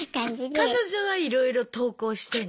彼女はいろいろ投稿してんの？